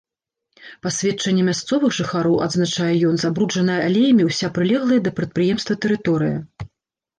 Па сведчанні мясцовых жыхароў, адзначае ён, забруджаная алеямі ўся прылеглая да прадпрыемства тэрыторыя.